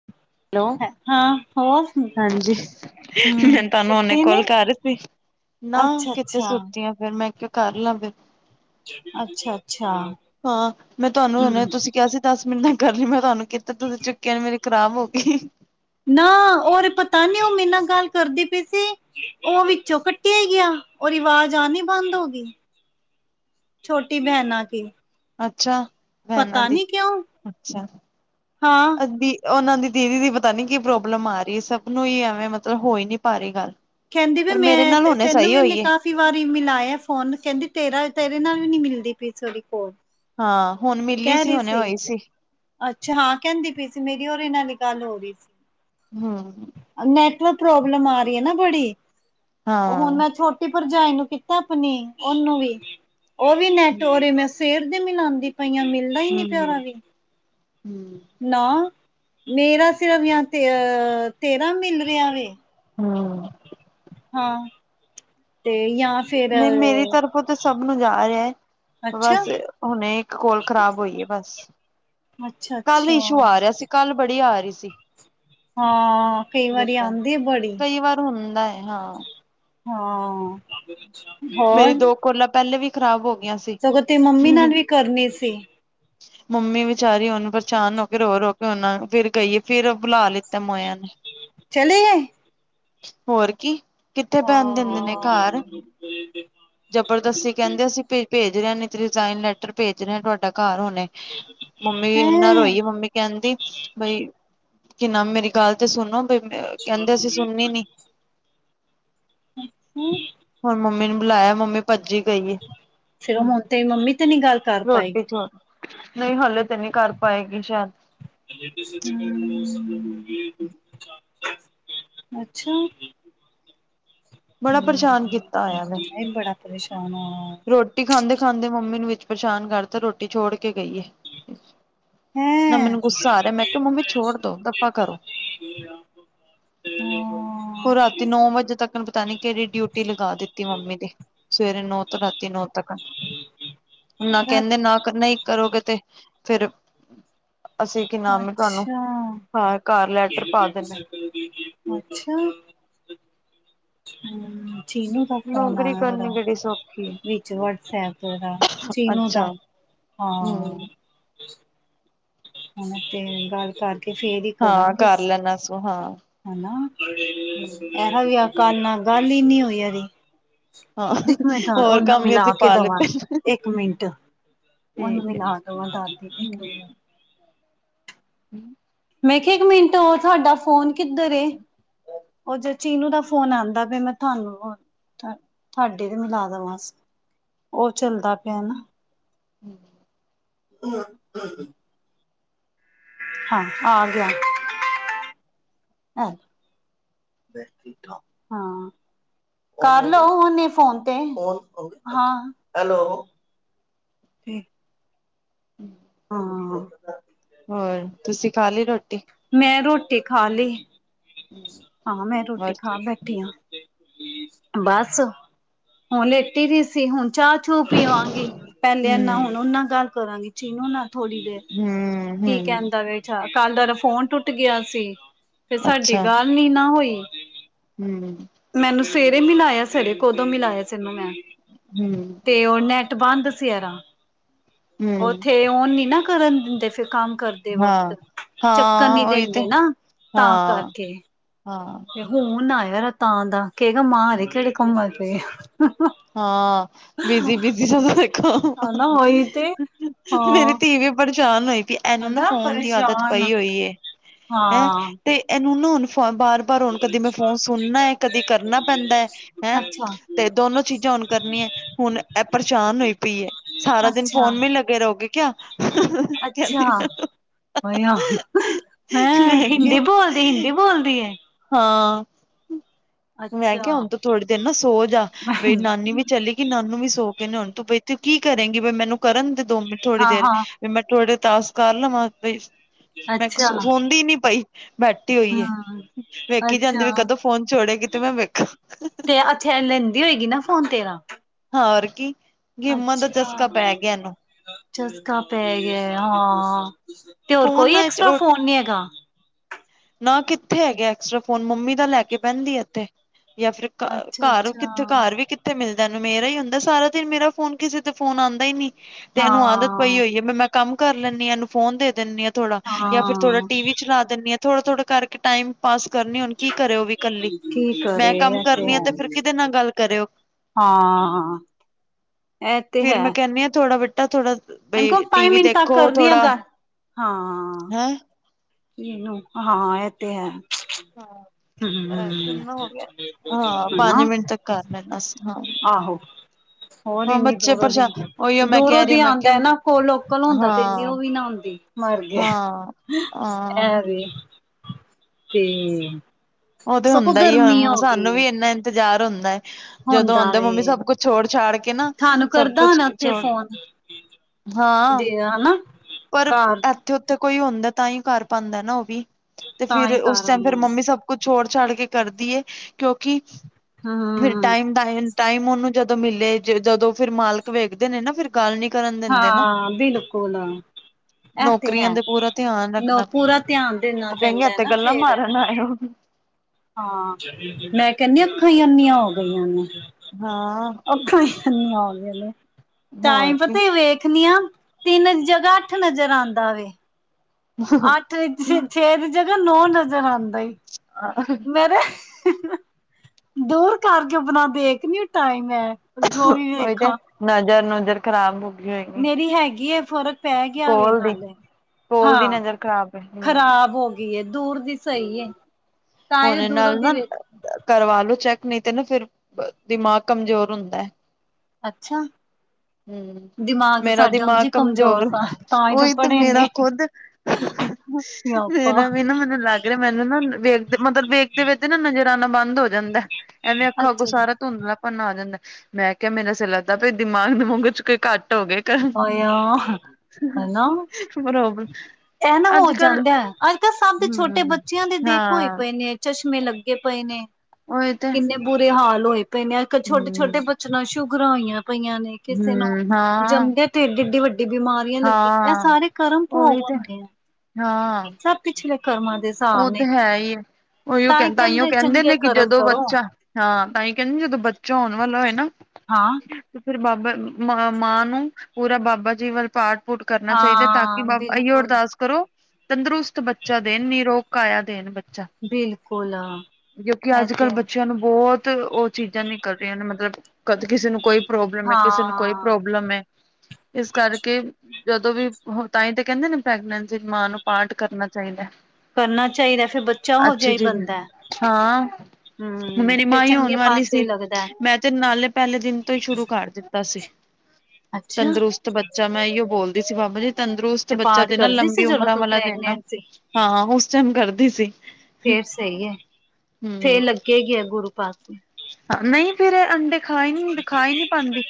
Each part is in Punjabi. [inaudible] ਹੈਲੋ ਹਾਂ ਹੋਰ ਹਾਂਜੀ ਹਮ ਮੈਂ ਤੁਹਾਨੂੰ ਹੁਣੇ ਸੁੱਤੇ ਨੇ ਕੋਲ ਕਰ ਰਹੀ। ਨਾ ਅੱਛਾ ਕਿਤੇ ਅੱਛਾ ਸੁੱਤੀ ਆਂ ਫਿਰ ਮੈਂ ਕਿਹਾ ਕਰ ਲਾ ਫਿਰ। ਅੱਛਾ -ਅੱਛਾ। ਹਾਂ ਮੈਂ ਤੁਹਾਨੂੰ ਹੁਣੇ ਹਮ ਤੁਸੀਂ ਕਿਹਾ ਸੀ ਦਸ ਮਿੰਟਾਂ ਤੱਕ ਕਰ ਰਹੀ। ਮੈਂ ਤੁਹਾਨੂੰ ਕੀਤਾ ਤੁਸੀਂ ਚੁੱਕਿਆ ਨੀ ਮੇਰੀ ਖਰਾਬ ਹੋ ਗਈ। ਨਾ, ਉਹ ਪਤਾ ਨੀ, ਉਹ ਮੇਰੇ ਨਾਲ ਗੱਲ ਕਰਦੀ ਪਈ ਸੀ। ਉਹ ਵਿੱਚੋਂ ਕੱਟਿਆ ਹੀ ਗਿਆ, ਉਹ ਅਵਾਜ਼ ਆ ਨ ਬੰਦ ਹੋ ਗਈ। ਛੋਟੀ ਬਹਿਨਾਂ ਥੀ। ਅੱਛਾ, ਲੈਣ ਆਦੀ ਕਿਉਂ ਦੀ ਅੱਛਾ, ਹਾਂ ਅਧੀ ਉਹਨਾਂ ਦੀਦੀ ਦੀ ਪਤਾ ਨੀ, ਕੀ ਪ੍ਰੋਬਲਮ ਆ ਰਹੀ ਹੈ, ਸਭ ਨੂੰ ਹੀ ਐਵੇਂ ਮਤਲਬ ਹੋ ਹੀ ਨਈ ਪਾ ਰਹੀ ਗੱਲ ਕਹਿੰਦੀ ਵੀ ਪਰ ਮੇਰੇ ਮੈਂ, ਨਾਲ ਹੁਣੇ ਤੈਨੂੰ ਸਹੀ ਵੀ ਉਹ ਹੋਈ ਨਿਕ ਏ। ਕਿੰਨੀ ਵਾਰੀ ਮਿਲਾਆਂ ਫੋਨ, ਕਹਿੰਦੀ ਤੇਰੇ ਨਾਲ ਵੀ ਨੀ ਮਿਲਦੀ ਪਈ ਤੇਰੀ ਕੋਲ ਹਾਂ, ਹੁਣ ਮਿਲੀ ਕਹਿ ਸੀ, ਰਹੀ ਹੁਣੇ ਹੋਈ ਸੀ। ਅੱਛਾ, ਹਾਂ ਕਹਿੰਦੀ ਪਈ ਸੀ, ਮੇਰੀ ਓਦੇ ਨਾਲ ਹੀ ਗੱਲ ਹੋ ਰਹੀ ਸੀ। ਹੂ,,, ਨੈਟਵਰਕ, ਪ੍ਰੋਬਲਮ ਆ ਰਹੀ ਹੈ ਨਾ ਬੜੀ ਉਹ ਹੁਣ ਹਾਂ। ਮੈਂ ਛੋ ਭਰਜਾਈ ਨੂੰ ਕੀਤਾ ਆਪਣੀ, ਉਹਨੂੰ ਵੀ ਉਹ ਵੀ ਨੈਟਰੀ ਮੈਂ ਸਿਰ ਦੇ ਮਿਲਾਉਂਦੀ, ਪਈਆਂ ਲੇ [unintelligible] [inaudible] ਨਾ, ਮੇਰਾ ਸਿਰਫ ਜਾਂ, ਤੇ ਅਹ ਤੇਰਾਂ, ਮਿਲ ਰਿਹਾ ਵ ਹਾ ਹਾਂ, ਤੇ ਜਾਂ ਫਿਰ ਨਹੀਂ, ਮੇਰੀ ਤਰਫੋਂ ਤੇ, ਸਭ ਨੂੰ ਜਾ ਰਿਹਾ ਅੱਛਾ ਬਸ ਹੁਣੇ ਇੱਕ, ਕੋਲ ਖ਼ਰਾਬ ਹੋਈ ਹੈ ਬਸ। ਅੱਛਾ- ਕੱਲ ਅੱਛਾ। ਇਸ਼ੂ ਆ ਰਿਹਾ ਸੀ, ਕੱਲ ਬੜੀ ਆ ਰਹੀ ਸੀ। ਹਾਂ, ਕਈ ਵਾਰੀ ਦਿੱਕਤ। ਆਉਂਦੀ ਆ ਬੜੀ। ਕਈ ਵਾਰ ਹੁੰਦਾ ਹੈ ਹਾਂ ਹਾਂ ਮੇਰੀ ਹੋਰ ਦੋ ਕੋਲਾਂ, ਪਹਿਲੇ ਵੀ ਖ਼ਰਾਬ ਹੋ ਗਈਆਂ ਸੀ। ਸਗੋਂ ਤੇ ਮੰਮੀ ਨਾਲ ਵੀ ਕਰਨੀ ਸੀ ਮੰਮੀ ਵਿਚਾਰੀ ਹੁਣ ਪਰੇਸ਼ਾਨ ਹੋ ਕੇ ਰੋ -ਰੋ ਹੋ ਕੇ ਉਹਨਾ ਫਿਰ ਗਈ ਏ, ਫੇਰ ਬੁਲਾ ਲਿੱਤਾ ਮੋਇਆ ਨੇ ਚਲੀਏ? ਹੋਰ ਕੀ, ਕਿੱਥੇ ਬੈਨ ਦਿੰਦੇ ਨੇ ਘਰ ਹਾਂ ਜਬਰਦਸਤੀ ਕਹਿੰਦੇ, ਅਸੀਂ ਭੇ ਭੇਜ ਰਹੇ ਹਾਂ ਨ, ਰਿਜ਼ਾਇਨ ਲੈਟਰ ਭੇਜ ਰਹੇ ਹਾਂ ਤੁਹਾਡਾ ਘਰ, ਹਣੇੇ ਮੰਮੀ, ਇਨਾ ਹੈਂ ਰੋਈਏ ਮੰਮੀ ਕਹਿੰਦੀ, ਬਈ ਕਿ ਨ, ਮੇਰੀ ਗੱਲ ਤੇ ਸੁਣੋ ਬਈ ਕਹਿੰਦੇ ਅਸੀਂ ਸੁਣਨੀ ਨਈ [unintelligible] [inaudible] ਹੁਣ ਮੰਮੀ ਨੂੰ, ਬੁਲਾਇਆ ਮੰਮੀ ਭੱਜੀ ਗਈ, ਏ ਤੇ ਮੰਮੀ, ਤੇੈ ਨੀ ਗੱਲ ਕਰ ਰੋਟੀ ਪਾਏਗੀ ਚੋ, ਨਹੀਂ ਹਾਲੇੇ ਤੇ ਨਈ ਕਰ ਪਾਏਗੀ ਸ਼ਾਇਦ, [unintelligible] [inaudible] ਅੱਛਾ ਬੜਾ, ਪਰੇਸ਼ਾਨ ਕੀਤਾ ਹੋਇਆ ਵੇ ਐ ਵੀ ਬੜਾ, ਪਰੇਸ਼ਾਨ ਆ ਰੋਟੀ ਖਾਂਦੇ- ਖਾਂਦੇ ਮੰਮੀ ਨੂੰ ਵਿੱਚ, ਪਰੇਸ਼ਾਨ ਕਰਤਾ ਰੋਟੀ ਛੋੜ ਕੇ ਗਈ ਏ ਹੈਂ ਮੰਮੀ ਨੂੰ ਗੁੱਸਾ ਆ ਰਿਹਾ, ਮੈਂ ਕਿਹਾ ਮੰਮੀ ਛੋੜ ਦੋ ਦਫ਼ਾ ਹਾਂ ਕਰੋ ਉ ਰਾਤੀ ਨੌ ਵਜੇ ਤੱਕ, ਪਤਾ ਨੀ ਕਿਹੜੀ ਡਿਊਟੀ ਲਗਾ ਦਿੱਤੀ ਮੰਮੀ ਦੀ ਸਵੇਰੇ ਨੌ ਤੋਂ, ਰਾਤੀ ਨੌ ਤੱਕ। ਨਾ ਕਹਿੰਦੇ, ਨਾ ਨਾ ਕਰੋਗੇ ਤੇ ਫੇਰ ਅਸੀਂ ਕੀ ਅੱਛਾ ਨਾਮ ਤੁਹਾਨੂੰ, ਹਾਂ ਘਰ ਲੈਟਰ ਪਾ ਦੇਣਾ ਅੱਛਾ ਹ ਚੀਨ [inaudible] ਫੋਨ ਨੌਕਰੀ ਆਇਆ ਕਰਨੀ ਉਹਦਾ ਕਿਹੜੀ ਸੌਖੀ ਏ। ਵਿੱਚ, ਵਟਸਐਪ ਦਾ ਚੀਨੂੰ ਅੱਛਾ, ਦਾ? ਹਾਂ ਹੂੰ, ਹੂਨ ਤੇ ਗੱਲ ਕਰਕੇ, ਫੇਰ ਹੀ ਕਰਾਂਗੀ। ਬਸ ਹਾਂ ਨਾ, ਹੂੰ। ਆ ਗਿਆ ਕੰਮ ਗੱਲ, ਨੀ ਹੋਈ ਏਦੀ। ਹਾਂ, ਦੇਖੋ ਮੈਂ, ਤਾਂ ਹੋਰ ਉਹਨਾਂ ਕੰਮ ਵੀ ਅਸੀਂ ਮਿਲਾ ਕੇ ਪਾ ਦੇਵਾਂ, ਲਿੱਤੇ। ਇੱਕ ਮਿੰਟ ਉਹਨੂੰ ਠੀਕ ਏ। ਮਿਲਾ ਦਵਾ ਦਾਦੀ ਕਿ ਹੂੰ, [inaudible] ਮੈਂ ਕਿਹਾ ਇੱਕ ਮਿੰਟ ਹੋ ਤੁਹਾਡਾ ਫੋਨ ਕਿੱਧਰ ਏ? ਉਹ ਜੇ ਚੀਨੂੰ ਦਾ ਫੋਨ ਆਂਦਾ ਪਿਆ ਮੈਂ ਤੁਹਾਨੂੰ ਉਹ ਤੁਹਾਡੇ ਤੇ ਮਿਲਾ ਦਵਾਂ ਸੀ। ਉਹ ਚੱਲਦਾ ਪਿਆ ਨਾ। ਹੂੰ [unintelligible] ਹਾਂ ਆ ਗਿਆ, ਐ [unintelligible] ਹਾਂ ਕਰ ਲਓ ਉਹਨੇ ਫੋਨ ਤੇ, ਹਾਂ ਹੈਲੋ [unintelligible] ਹਾਂ ਹੋਰ ਤੁਸੀਂ ਖਾ ਲਈ ਰੋਟੀ? ਮੈਂ ਰੋਟੀ ਖਾ ਲਈ, ਹਾਂ ਮੈਂ ਹੋਰ ਰੋਟੀ ਖਾ ਬੈਠੀ ਹਾਂ। ਬਸ, ਹੁਣ ਲੇਟੀ ਦੀ ਸੀ ਹੁਣ ਚਾਹ ਚੂਹ ਪੀਵਾਂਗੀ, ਪਹਿਲੇ ਇਨਾ ਹੂੰ, ਹੁਣ ਓਨਾ ਗੱਲ ਕਰਾਂਗੀ ਚੀਨੂੰ ਨਾਲ ਥੋੜੀ ਦੇਰ। ਹੂੰ, ਕੀ ਹੂੰ, ਕਹਿੰਦਾ ਵੈ ਅੱਛਾ ਕੱਲ ਦਾ ਫੋਨ ਟੁੱਟ ਗਿਆ ਸੀ, ਤੇ ਸਾਡੇ ਅੱਛਾ, ਗੱਲ ਈ ਨਾ ਹੋਈ। ਹੂੰ ਮੈਨੂੰ ਸਵੇਰੇ ਮਿਲਾਇਆ ਸਵੇਰੇ ਕਦੋਂ ਮਿਲਾਇਆ ਤੈਨੂੰ ਮੈਂ। ਹੂੰ ਤੇ ਉਹ ਨੈੱਟ ਬੰਦ ਸੀ ਯਰਾ, ਹੂੰ, ਉੱਥੇ ਉਹ ਨੀ ਨਾ ਕਰਨ ਦਿੰਦੇ ਫਿਰ ਕੰਮ ਕਰਦੇ ਹਾਂ। ਵਕਤ, ਚੱਕਣ ਹਾਂ, ਨੀ ਉਹੀ ਤੇ ਦਿੰਦੇ ਨਾ ਤਾਂ ਹਾਂ, ਕਰਕੇ। ਹਾਂ ਤੇ ਹੁਣ ਆਇਆ ਤਾਂ ਦਾ ਕਹੇਗਾ ਮਾਂ ਹਜੇ ਕਿਹੜੇ ਕੰਮਾਂ ਵਾਸਤੇ ਹਾਂ ਬਿਜੀ-ਬਿਜੀ ਜਦੋਂ ਦੇਖੋ, ਹਨਾ ਉਹੀ ਤੇ ਹਾਂ ਮੇਰੀ ਧੀ ਵੀ ਪਰੇਸ਼ਾਨ ਹੋਈ ਦੀ ਹੈ ਇਹਨੂੰ ਨਾ ਹਨਾ ਫੋਨ ਦੀ ਆਦਤ ਪਰੇਸ਼ਾਨ ਪਈ ਹੋਈ ਏ, ਹੈਂ ਹਾਂ ਤੇ ਇਹਨੂੰ ਨਾ ਹੁਣ ਫ਼ੋਨ ਬਾਰ-ਬਾਰ ਹੁਣ ਕਦੀ ਮੈਂ ਫੋਨ ਸੁਣਨਾ ਕਦੀ ਕਰਨਾ ਪੈਂਦਾ ਹੈਂ ਅੱਛਾ ਤੇ ਦੋਨੋ ਚੀਜ਼ਾਂ ਕਰਨੀ ਹੈ ਹੁਣ ਇਹ ਪਰੇਸ਼ਾਨ ਹੋਈ ਪਈ ਸਾਰਾ ਦਿਨ ਅੱਛਾ ਫੋਨ ਮੇ ਲੱਗੇ ਰਹੋਗੇ ਕਿਆ। ਕਹਿੰਦੀ ਮੈਨੂੰ ਬਈਆ, ਹੈਂ ਮੈਂ ਕਿਹਾ ਹਿੰਦੀ ਬੋਲਦੀ ਹਿੰਦੀ ਬੋਲਦੀ ਏ। ਹਾਂ ਮੈਂ ਅੱਛਾ ਕਿਹਾ ਹੁਣ ਤੂੰ ਥੋੜੀ ਦੇਰ ਨਾ ਸੋ ਜਾ ਬਈ ਨਾਨੀ ਵੀ ਚਲੀ ਕਿ ਨਾਨੂ ਵੀ ਸੋ ਗਏ ਨੇ ਹੁਣ ਤੂੰ ਬਈ ਤੂੰ ਕੀ ਕਰੇਗੀ ਬਈ ਮੈਨੂੰ ਕਰਨ ਦੇ ਦੋ ਮਿੰਟ ਥੋੜੀ ਹਾਂ ਦੇਰ। ਹਾਂ ਮੈ ਥੋੜੇ ਟਾਕਸ ਕਰ ਲਵਾਂ ਮੈਂ ਪਲੀਸ। ਮੈਂ ਇੱਕ ਅੱਛਾ ਸੌਨਦੀ ਨੀ ਪਈ ਬੈਠੀ ਹੋਈ ਹੈ। ਹਮ ਵੇਖੀ ਜਾਂਦੀ ਅੱਛਾ ਵੀ ਕਦੋਂ ਫੋਨ ਛੋੜੇਗੀ ਤੇ ਮੈਂ ਵੇਖਾਂ ਤੇ ਅੱਛਾ ਐ ਲੈਂਦੀ ਹੋਏਗੀ ਨਾ ਫੋਨ ਤੇਰਾ। ਹਾਂ ਹੋਰ ਕੀ ਗੇਮਾਂ ਦਾ ਅੱਛਾ ਚਸਕਾ ਪੈ ਗਿਆ ਇਹਨੂੰ। ਚਸਕਾ ਪੈ ਗਿਆ ਹਾਂ ਤੇ ਹੋਰ ਫੋਨ ਕੋਈ ਐਕਸਟਰਾ ਨਾ ਫੋਨ ਨੀ ਹੈਗਾ? ਨਾ ਕਿੱਥੇ ਹੈਗੇ ਐਕਸਟਰਾ ਫੋਨ ਮੰਮੀ ਦਾ ਲੈ ਕੇ ਬਹਿੰਦੀ ਹੈ। ਜਾਂ ਫਿਰ ਅੱਛਾ ਘਰ ਅੱਛਾ ਕਿੱਥੇ ਘਰ ਵੀ ਕਿੱਥੇ ਮਿਲਦਾ ਇਹਨੂੰ ਮੇਰਾ ਹੀ ਹੁੰਦਾ ਸਾਰਾ ਦਿਨ ਮੇਰਾ ਫੋਨ ਕਿਸੇ ਦੇ ਫੋਨ ਆਉਂਦਾ ਈ ਨਈ। ਤੇ ਇਹਨੂੰ ਆਦਤ ਪਈ ਹਾਂ ਹੋਈ ਹੈ ਮੈਂ ਕੰਮ ਕਰ ਲੈਂਦੀ ਆ ਇਹਨੂੰ ਫੋਨ ਦੇ ਦਿੰਦੀ ਹਾਂ ਥੋੜਾ, ਜਾਂ ਫਿਰ ਥੋੜਾ ਹਾਂ ਟੀ ਵੀ ਚਲਾ ਦਿੰਨੀ ਆ ਥੋੜਾ-ਥੋੜਾ ਕਰ ਕੇ ਟਾਈਮ ਪਾਸ ਕਰਨੀ ਹੁਣ ਕੀ ਕਰੇ ਉਹ ਵੀ। ਇਕੱਲੀ। ਕੀ ਮੈਂ ਕਰੇ ਕੰਮ ਇਹ ਕਰਨੀ ਆ ਹੈ ਤੇ ਫਿਰ ਕਿਹਦੇ ਨਾਲ ਗੱਲ ਕਰੇ ਉਹ। ਹਾਂ ਇਹ ਤੇ ਫਿਰ ਹੈ ਮੈਂ ਕਹਿੰਨੀ ਆ ਥੋੜਾ ਬੇਟਾ ਥੋੜਾ, ਇਹਨੂੰ ਕਹੋ ਬਈ ਪੰਜ ਟੀਵੀ ਮਿੰਟ ਤੱਕ ਦੇਖੋ ਕਰਦੀ ਆ ਥੋੜਾ, ਗੱਲ ਹੈਂ। ਕੀ ਨੂੰ ਹਾਂ ਇਹ ਤੇ ਹੈ। ਹਾਂ ਹਮ ਕਿੰਨਾ ਹੋ ਗਿਆ ਹਾਂ ਹਨਾ ਪੰਜ ਮਿੰਟ ਤੱਕ ਕਰ ਲੈਣਾ ਸੀ ਹਾਂ। ਆਹੋ ਹੋਰ ਹਾਂ ਇੰਨੀ ਬੱਚੇ ਦੂਰੋਂ ਦੀ ਪਰਸ਼ਾ ਉਹੀਓ ਮੈਂ ਦੂਰੋਂ ਕਹਿ ਰਹੀ ਹਾਂ, ਦੀ ਮੈਂ ਕਿਹਾ ਆਉਂਦਾ ਹੈ ਨਾ ਕੋਲ ਲੋਕਲ ਹੁੰਦਾ ਤੇ ਇੰਨੀ ਉਹ ਵੀ ਨਾ ਹੁੰਦੀ ਮਰ ਗਿਆ ਹਾਂ ਹਾਂ ਹਾਂ। ਐ ਵੇ ਤੇ ਉਹ ਤੇ ਸਗੋਂ ਹੁੰਦਾ ਹੀ ਗਰਮੀ ਏ। ਹੋ ਸਾਨੂੰ ਗਈ ਵੀ ਇੰਨਾ ਇੰਤਜ਼ਾਰ ਹੁੰਦਾ ਏ। ਜਦੋਂ ਹੁੰਦਾ ਆਉਂਦਾ ਮੰਮੀ ਵੇ ਸਭ ਕੁਛ ਛੋੜ- ਛਾੜ ਕੇ ਨਾ, ਤੁਹਾਨੂੰ ਸਭ ਕਰਦਾ ਕੁਛ ਹੋਣਾ ਛੋੜ ਹਾਂ ਦੇਵਾ ਨਾ ਪਰ ਏਥੇ ਉੱਥੇ ਕੋਈ ਹੁੰਦਾ ਤਾਂ ਹੀ ਕਰ ਪਾਉਂਦਾ ਨਾ ਉਹ ਵੀ, ਤੇ ਤਾਂ ਹੀ ਫਿਰ ਉਸ ਘਰ ਟਾਈਮ ਫੇਰ ਆਉਣਾ ਮੰਮੀ ਸਭ ਕੁਛ ਛੋੜ ਛਾੜ ਕੇ ਕਰਦੀ ਏ ਕਿਉਂਕਿ ਫੇਰ ਹਮ ਟਾਈਮ ਦਾ ਟਾਈਮ ਉਹਨੂੰ ਜਦੋਂ ਮਿਲੇ, ਜਦੋਂ ਫਿਰ ਮਾਲਕ ਵੇਖਦੇ ਨੇ ਨਾ ਫਿਰ ਕਾਲ ਨਹੀਂ ਕਰਨ ਦਿੰਦੇ ਨਾ ਹਾਂ, ਬਿਲਕੁਲ। ਇਹ ਤੇੇ ਨੌਕਰੀਆਂ ਹੈ। ਤੇ ਪੂਰਾ ਧਿਆਨ ਰੱਖਣਾ ਪੂਰਾ ਪੈਂਦਾ। ਧਿਆਨ ਦੇਣਾ ਕਹਿੰਗੇ ਪੈਂਦਾ ਹੈ ਇਥੇ ਨਾ ਫੇਰ। [unintelligible] ਹਨਾਂ ਉਹ ਹਾਂ ਮੈਂ ਕਹਨੀਆ ਅੱਖਾਂ ਈ ਅਨੀਆਂ ਹੋ ਗਈਆਂ ਨੇ। ਹਾਂ ਅਖਾਂ ਈ ਅਨੀਆਂ ਹੋ ਗਈਆ ਨੇ, ਤਾ ਈ ਹੋਰ ਕੀ। ਪਤਾ ਵੇਖਨੀ ਆ ਤਿੰਨ ਦੀ ਜਗਾ ਅੱਠ ਨਜ਼ਰ ਆਉਂਦਾ ਵੈ ਅੱਠ ਛੇ ਦੀ ਜਗਾ ਨੌ ਨਜ਼ਰ ਆਂਦਾ ਈ ਆਹ ਦੂਰ ਕਰਕੇ ਆਪਣਾ ਦੇਖ ਨੀ ਟਾਈਮ ਹੈ ਜੋ ਵੀ ਉਹੀ ਤੇ ਵੇਖਾਂ ਨਜ਼ਰ ਨੁਜਰ ਖਰਾਬ ਹੋ ਗਈ ਹੋਏ ਮੇਰੀ ਹੈਗੀ ਏ ਫ਼ਰਕ ਪੈ ਗਿਆ ਵੇ ਦੀ। ਨਾਲੇ, ਕੋਲ ਦੀ ਹਾਂ, ਨਜ਼ਰ ਖ਼ਰਾਬ ਹੈ। ਹਮ ਖਰਾਬ ਹੋ ਗਈ ਏ ਦੂਰ ਸਹੀ ਏ, ਤਾਂ ਹੀ ਹੁਣ ਦੂਰੋਂ ਨਾਲ ਦੀ ਨਾ ਵੇਖ ਕਰਵਾ ਲੋੋ ਚੈੱਕ, ਨਹੀਂ ਤੇ ਨਾ ਫੇਿਰ ਦਿਮਾਗ ਕਮਜ਼ੋਰ ਹੁੰਦਾ। ਅੱਛਾ। ਹੂੰ ਦਿਮਾਗ ਮੇਰਾ ਸਾਡਾ ਦਿਮਾਗ ਉਂਝ ਕਮਜ਼ੋਰ ਸਾ ਤਾਂ ਹੀ ਤਾਂ ਉਹੀ ਤੇ ਪੜ੍ਹੇ ਨੇ ਮੇਰਾ ਖੁਦ ਆਪਾਂ ਮੇਰਾ ਵੀ ਨਾ ਮੈਨੂ ਲੱਗ ਰਿਹਾ ਮੈਨੂੰ ਨਾ ਵੇਖਦੇ ਮਤਲਬ ਵੇਖਦੇ ਵੇਖਦੇ ਨਾ ਨਜ਼ਰ ਆਨਾ ਬੰਦ ਹੋ ਜਾਂਦਾ। ਐਵੇਂ ਅੱਖਾਂ ਅੱਗੇ ਅੱਛਾ ਜੀ। ਸਾਰਾ ਧੁੰਦਲਾ ਭੰਨ ਆ ਜਾਂਦਾ। ਮੈਂ ਕਿਹਾ ਮੈਨੂੰ ਏਸਾ ਲੱਗਦਾ ਪੇਆ ਦਿਮਾਗ ਦੁਮਾਗ ਚ ਕੁਛ ਘਟ [unintelligible] ਕੱਟ ਹੋ ਗਿਆ ਹੋਇਆ ਹਨਾ। ਫਿਰ ਇਹ ਨਾ ਹੋ ਜਾਂਦਾ। ਅੱਜ ਕੱਲ ਸਭ ਦੇ ਛੋਟੇ ਹੂੰ ਬੱਚਿਆਂ ਦੇਖ ਹੋਏ ਹਾਂ ਪਏ ਨੇ। ਚਸ਼ਮੇ ਲੱਗੇ ਪਏ ਨੇ। ਉਹੀ ਤੇ ਕਿੰਨੇ ਬੁਰੇ ਹਾਲ ਹੋਏ ਪੇ ਨੇ, ਅੱਜ ਕਲ ਛੋਟੇ- ਹੂੰ ਛੋਟੇ ਬੱਚਿਆਂ ਨੂੰ ਸ਼ੂਗਰਾਂ ਹੋਈਆਂ ਪਈਆਂ ਨੇ। ਕਿਸੇ ਨੂੰ ਹੂੰ ਹਾਂ ਜੰਮਦੇ ਤੇ ਏਡੀ ਵੱਡੀ-ਵਡੀ ਬਿਮਾਰੀਆਂ ਲੱਗੀਆਂ, ਇਹ ਹਾਂ ਸਾਰੇ ਕਰਮ ਭੋਗ ਉਹੀ ਤੇ ਹੁੰਦੇ ਆ। ਹਾਂ। ਸਭ ਪਿਛਲੇ ਕਰਮਾਂ ਦੇ ਹਿਸਾਬ ਉਹ ਨੇ ਤੇ ਹੈ ਹੀ ਏ। ਉਹੀਓ ਤਾਂ ਹੀ ਕਹ ਤਾਂਈਓ ਕਹਿੰਦੇ ਚੰਗੇ ਨੇ ਕਿ ਕਰਮ ਜਦੋਂ ਕਰੋ ਬੱਚਾ ਹਾਂ ਤਾਂ ਹੀ ਕਹਿੰਦੇ, ਜਦੋਂ ਬੱਚਾ ਹੋਣ ਵਾਲਾ ਹੋਏ ਨਾ ਹਾਂ ਤੇ ਫਿਰ ਬਾਬਾ ਮ ਮਾਂ ਨੂੰ ਪੂਰਾ ਬਾਬਾ ਜੀ ਵੱਲ ਪਾਠ ਕਰਨਾ ਚਾਹੀਦਾ ਤਾਂ ਕਿ ਹਾਂ ਬਾਬਾ ਏਹਿਔ ਬਿਲਕੁਲ ਅਰਦਾਸ ਕਰੋ ਤੰਦਰੁਸਤ ਬੱਚਾ ਦੇਣ, ਨਿਰੋਗ ਨੀ ਰੋਗੀ ਕਾਇਆ ਦੇਣ ਬੱਚਾ, ਬਿਲਕੁਲ ਕਿੳਕਿ ਇਹ ਅੱਜ ਤੇ ਕੱਲ੍ਹ ਬੱਚਿਆਂ ਨੂੰ ਬਹੁਤ ਉਹ ਚੀਜ਼ਾਂ ਨਿਕਲ ਦੀਆਂ ਨੇ ਮਤਲਬ ਕਦੇ ਕਿਸੇ ਨੂੰ ਕੋਈ ਪ੍ਰੋਬਲਮ ਏ, ਕਿਸੇ ਨੂੰ ਕੋਈ ਹਾਂ ਪ੍ਰੋਬਲਮ ਏ। ਇਸ ਕਰਕੇ ਜਦੋਂ ਵੀ ਤਾਂਹੀ ਤਾਂ ਕਹਿੰਦੇ ਨੇ ਪ੍ਰੈਗਨੈਂਸੀ ਚ ਮਾਂ ਨੂੰ ਪਾਠ ਕਰਨਾ ਚਾਹੀਦਾ। ਕਰਨਾ ਚਾਹੀਦਾ ਫੇਰ ਬੱਚਾ ਹੋ ਜਿਹਾ ਅੱਛੀ ਹੀ ਚੀਜ਼, ਬਣਦਾ ਹਾਂ। ਹਮ ਮੇਰੀ ਫਿਰ ਮਾਂ ਹੀ ਆਣ ਚੰਗੇ ਵਾਲੀ ਪਾਸੇ ਸੀ ਲੱਗਦਾ ਮੈਂ ਤੇ ਨਾਲੇ ਪਹਿਲੇ ਦਿਨ ਤੋਂ ਹੀ ਸ਼ੁਰੂ ਕਰ ਦਿੱਤਾ ਸੀ ਅੱਛਾ ਤੰਦਰੁਸਤ ਬੱਚਾ ਮੈਂ ਉਹ ਬੋਲਦੀ ਸੀ ਬਾਬਾ ਜੀ। ਤੰਦਰੁਸਤ ਤੇ ਬੱਚਾ ਪਾਠ ਦਿਨਾ ਕਰਦੀ ਲੰਬੀ ਸੀ ਜਦੋਂ ਉਮਰਾਂ ਤੂੰ ਵਾਲਾ ਦਿਨ ਨਾ ਪ੍ਰੈਗਨੈਂਟ ਸੀ ਹਾਂ ਉਸ ਐਚ ਐਮ ਕਰਦੀ ਸੀ ਹੂ ਕੇ ਗਿਆ ਗੁਰੂ ਪਾਤ ਸਿੰਘ ਨਹੀਂ ਫਿਰ ਅੰਡੇ ਖਾ ਹੀ ਨੀ ਖਾ ਹੀ ਨਹੀਂ ਪਾਉਂਦੀ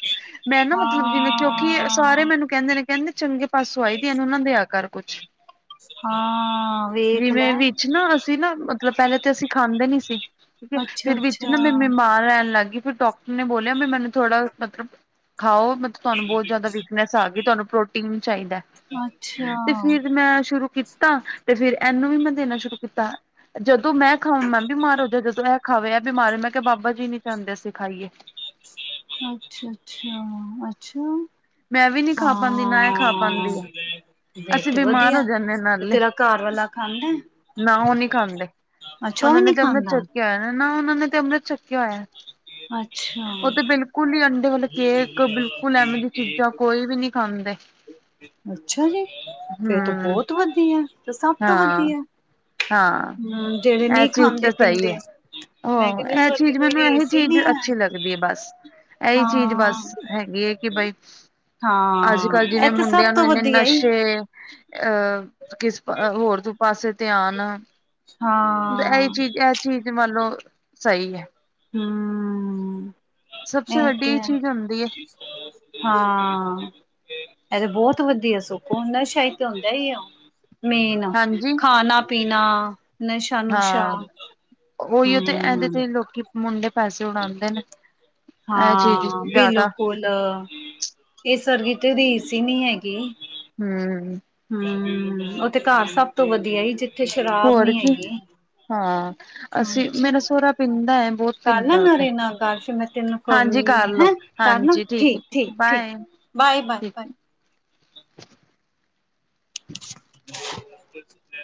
ਮੈਂ ਨਾ ਮਤਲਬ ਜਿਵੇਂ ਕਿਉਂਕਿ ਸਾਰੇ ਹਾਂ ਮੈਨੂੰ ਕਹਿੰਦੇ ਨੇ ਕਹਿੰਦੇ ਚੰਗੇ ਪਾਸੋਂ ਆਈ ਦੀ ਇਹ ਨੂੰ ਨਾ ਦਿਆ ਕੁਛ ਹਾਂ ਵੇਖ ਜਿਵੇਂ ਲੈ ਨਾ ਵਿੱਚ ਪਹਿਲੇ ਤੇ ਅਸੀਂ ਖਾਂਦੇ ਨੀ ਸੀ ਠੀਕ ਹੈ ਅੱਛਾ ਫਿਰ ਵਿੱਚ ਅੱਛਾ ਨਾ ਮੇ ਥਾਂ ਲਹਿਣ ਲੱਗ ਗਈ ਫਿਰ ਡਾਕਟਰ ਨੇ ਬੋਲਿਆ ਵੀ ਮੈਨੂੰ ਥੋੜਾ ਮਤਲਬ ਖਾਓ ਮਤਲਬ ਤੁਹਾਨੂੰ ਬਹੁਤ ਜ਼ਿਆਦਾ ਵੀਕਨੈਸ ਆ ਗਈ ਤੁਹਾਨੂੰ ਪ੍ਰੋਟੀਨ ਚਾਹੀਦਾ ਹੈ ਅੱਛਾ ਤੇ ਫਿਰ ਮੈਂ ਸ਼ੁਰੂ ਕੀਤਾ ਤੇ ਫਿਰ ਇਹਨੂੰ ਵੀ ਮੈਂ ਦੇਣਾ ਸ਼ੁਰੂ ਕੀਤਾ ਜਦੋਂ ਮੈਂ ਖਾ ਮੈਂ ਬਿਮਾਰ ਹੋ ਜਾ ਜਦੋਂ ਇਹ ਖਾਵੇ ਆ ਬਿਮਾਰ ਹੋ ਮੈਂ ਕਿਹਾ ਬਾਬਾ ਜੀ ਨੀ ਚਾਹੁੰਦੇ ਅਸੀਂ ਖਾਈਏ ਅੱਛਾ, ਅੱਛਾ, ਅੱਛਾ! ਮੈਂ ਵੀ ਨੀ ਖਾ ਪਾਉਂਦੀ ਨਾ ਇਹ ਖਾ ਹਾਂ ਪਾਉਂਦੀ ਆ ਵੇ ਅਸੀਂ ਤੇ ਬਿਮਾਰ ਹੋ ਵਧੀਆ ਜਾਂਦੇ ਤੇ ਨਾਲੇ ਤੇਰਾ ਘਰ ਵਾਲਾ ਖਾਨਾ ਨਾ ਉਹ ਨਹੀਂ ਖਾਂਦੇ ਅੱਛਾ ਔ ਵੀ ਨਹੀਂ ਖਾਂਦਾ। ਕਹਿ ਰਹੇ ਉਹਨਾਂ ਨੇ ਅੰਮ੍ਰਿਤ ਛਕਿਆ ਹੋਇਆ। ਅੱਛਾ ਉਹ ਤੇ ਬਿਲਕੁਲ ਹੀ ਅੰਡੇ ਵਾਲੇ ਕੇਕ ਬਿਲਕੁਲ ਐਵੇ ਦੀ ਚੀਜ਼ਾਂ ਕੋਈ ਵੀ ਨਹੀਂ ਖਾਂਦੇ ਅੱਛਾ ਜੀ ਫਿਰ ਤਾਂ ਹਮ ਬਹੁਤ ਵਧੀਆ ਤੇ ਸਭ ਤੋਂ ਹਾਂ ਵਧੀਆ। ਹਾਂ ਹਮ ਜਿਹੜੇ ਇਹ ਨਹੀਂ ਚੀਜ਼ ਤਾਂ ਖਾਂਦੇ ਸਹੀ ਹੈ। ਪੀਂਦੇ ਮੈਂ ਹਾਂ ਕਹਿੰਦੀ ਉਸ ਇਹ ਵਰਗੀ ਚੀਜ਼ ਕੋਈ ਮੈਨੂੰ ਇਹ ਰੀਸ ਹੀ ਚੀਜ਼ ਨਹੀਂ ਹੈ ਅੱਛੀ ਲੱਗਦੀ ਹੈ ਬਸ ਇਹੀ ਚੀਜ਼ ਹਾਂ ਬਸ ਹੈਗੀ ਹੈ ਕਿ ਬਈ ਅੱਜ ਹਾਂ ਕੱਲ ਜਿਵੇਂ ਇਹ ਤੇ ਮੁੰਡਿਆਂ ਸਭ ਨੂੰ ਤੋਂ ਇੰਨੇ ਵਧੀਆ ਹੀ ਨਸ਼ੇ ਅਹ ਕਿਸ ਹੋਰ ਤੇ ਪਾਸੇ ਧਿਆਨ ਇਹੀ ਹਾਂ ਚੀਜ਼ ਇਹ ਚੀਜ਼ ਮੰਨ ਲਓ ਸਹੀ ਹੈ। ਹੂ,,, ਸਬ ਤੇ ਵੱਡੀ ਚੀਜ਼ ਹੁੰਦੀ ਹੈ। ਹਾਂ ਇਹ ਤੇ ਬਹੁਤ ਵਧੀਆ ਸੋ ਹੁੰਦਾ ਸ਼ਾਇਦ ਤੇ ਉੁੰਦਾ ਹੀ ਓ ਮੇਨ ਹਾਂਜੀ ਖਾਣਾ ਪੀਣਾ ਨਸ਼ਾ ਨੁਸ਼ਾ ਹਾਂ ਉਹੀਓ ਤੇ ਇਹਦੇ ਹੂ ਤੇ ਲੋਕੀ ਮੁੰਡੇ ਪਾਸੇ ਹਾਂ ਜ਼ਿਆਦਾ ਬਿਲਕੁਲ ਇਹ ਸਰਦੀ ਤੇ ਰੀਸ ਨੀ ਹੈਗੀ ਹੂ,,, ਹੂ ਉਹ ਤੇ ਘਰ ਸਭ ਤੋਂ ਵਧੀਆ ਹੀ ਜੇ ਹੋਰ ਕੀ ਹਾਂ ਅਸੀਂ ਅੱਛਾ। ਮੇਰਾ ਸੋਰਾ ਪੀਂਦਾ ਬਹੁਤ ਕਰ ਲਾ ਪੀਂਦਾ ਉਹ ਤੇ ਉਨੇ ਨਾਲ ਗੱਲ ਮੈਂ ਤੈਨੂੰ ਹਾਂਜੀ ਕਰੂੰਗੀ ਕਰਲੋ ਹੈ ਕਰਨਾ ਹਾਂਜੀ ਹੈ ਠੀਕ ਠੀਕ ਠੀਕ ਬਾਏ ਬਾਏ ਬਾਏ ਠੀਕ ਬਾਏ [inaudible]